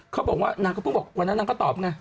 เขาบอกว่านางก็เพิ่งบอกวันนั้นนางก็ตอบไง